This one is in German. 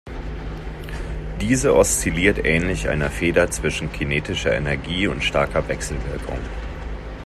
Diese oszilliert ähnlich einer Feder zwischen kinetischer Energie und starker Wechselwirkung.